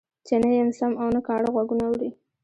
چې نه يې سم او نه کاڼه غوږونه اوري.